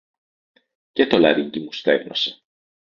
και το λαρύγγι μου στέγνωσε.